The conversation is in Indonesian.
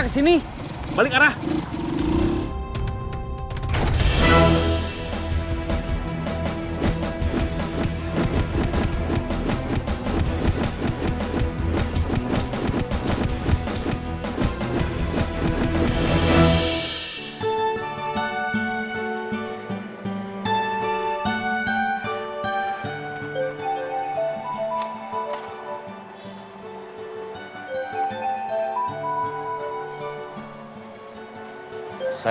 tapi pura pura enggak tahu